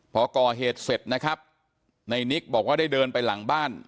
พอก่อเหตุเสร็จนะครับในนิกบอกว่าได้เดินไปหลังบ้าน